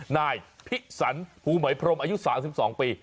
นายพิสันภูไหมพรมอายุ๓๒ปี